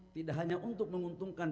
tidak hanya untuk menguntungkan